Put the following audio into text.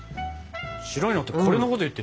白いのってこれのこと言ってる？